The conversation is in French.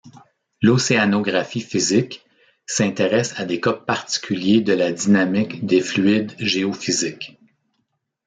L'océanographie physique s'intéresse à des cas particuliers de la dynamique des fluides géophysiques.